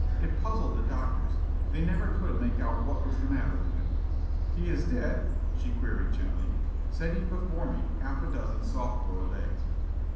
It puzzled the doctors. They never could make out what was the matter with him." "He is dead?" she queried gently, setting before me half a dozen soft boiled eggs.